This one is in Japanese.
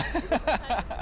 ハハハハ！